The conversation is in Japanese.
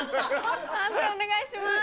判定お願いします。